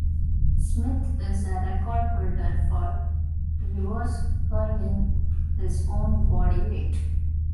Smith is a record holder for reverse-curling his own bodyweight.